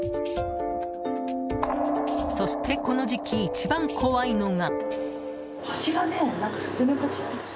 そしてこの時期、一番怖いのが。